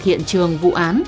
hiện trường vụ án